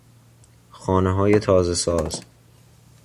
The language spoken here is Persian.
خانههای تازه ساز